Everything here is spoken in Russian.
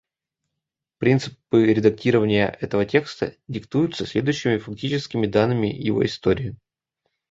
Принципы редактирования этого текста диктуются следующими фактическими данными его истории.